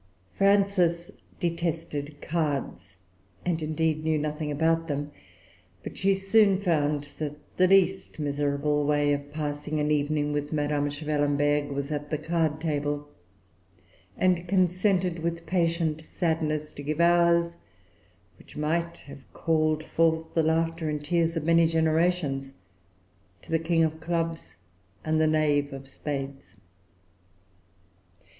Frances detested cards, and indeed knew nothing about them; but she soon found that the least miserable way of passing an evening with Madame Schwellenberg was at the card table, and consented, with patient sadness, to give hours, which might have called forth the laughter and the tears of many generations, to the king of clubs and the knave of spades.